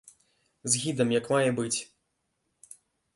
З гідам, як мае быць.